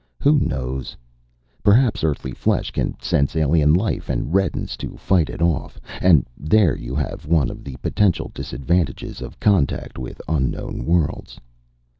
Who knows? Perhaps Earthly flesh can sense alien life, and reddens to fight it off. And there you have one of the potential disadvantages of contact with unknown worlds.